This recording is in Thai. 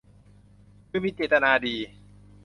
คือมีเจตนาดี